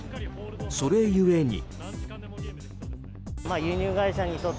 それゆえに。